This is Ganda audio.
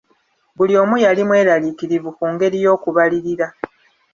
Buli omu yali mweraliikirivu ku ngeri y'okubalirira.